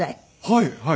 はいはい。